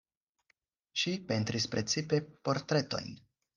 Ŝi pentris precipe portretojn.